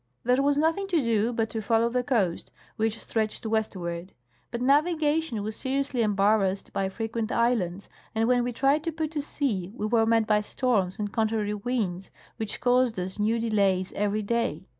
There was nothing to do but to follow the coast, which stretched westward ; but navigation was seriously em barrassed by frequent islands, and when we tried to put to sea we were met by storms and contrary winds, which caused us new delays every day.